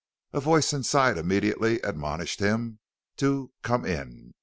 A voice inside immediately admonished him to "come in."